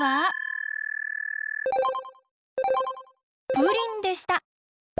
プリンでした！